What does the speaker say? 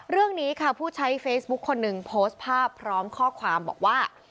เรื่องนี้ค่ะผู้ใช้เฟซบุ๊คคนหนึ่งโพสต์ภาพพร้อมข้อความบอกว่า